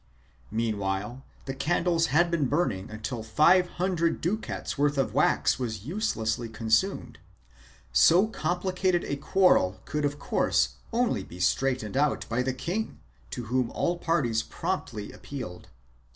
Meanwhile the candles had been burning until five hundred ducats' worth of wax was uselessly consumed. So complicated a quarrel could of course only be straightened out by the king to whom all parties promptly appealed.